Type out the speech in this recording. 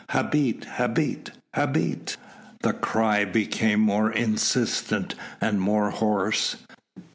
"Habet! Habet! Habet!" The cry became more insistent and more hoarse.